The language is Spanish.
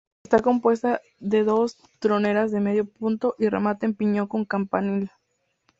Está compuesta de dos troneras de medio punto y remate en piñón con campanil.